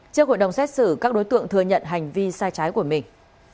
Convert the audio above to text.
trước hội đồng xét xử các đối tượng thừa nhận hành vi sai trái của mình